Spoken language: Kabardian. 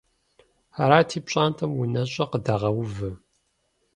Арати, пщӀантӀэм унэщӀэ къыдагъэувэ.